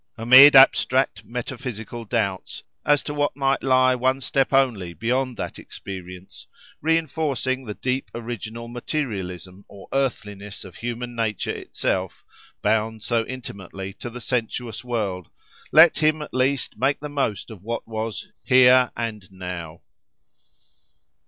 Amid abstract metaphysical doubts, as to what might lie one step only beyond that experience, reinforcing the deep original materialism or earthliness of human nature itself, bound so intimately to the sensuous world, let him at least make the most of what was "here and now."